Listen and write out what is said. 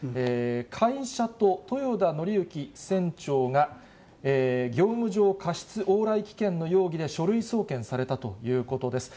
会社と豊田徳幸船長が、業務上過失往来危険の容疑で書類送検されたということです。